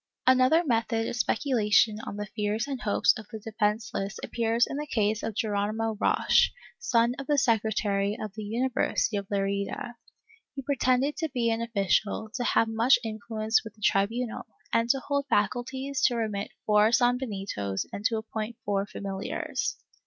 ^ Another method of speculation on the fears and hopes of the defenceless appears in the case of Geronimo Roche, son of the secretary of the University of Lerida. He pretended to be an official, to have much influence with the tribunal, and to hold faculties to remit four sanbenitos and to appoint four familiars.